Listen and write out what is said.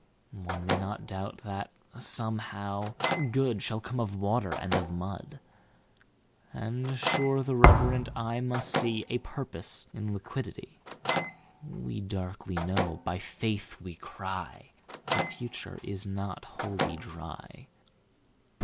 9One may not doubt that, somehow, Good10Shall come of Water and of Mud;11And, sure, the reverent eye must see12A Purpose in Liquidity.13We darkly know, by Faith we cry,14The future is not Wholly Dry.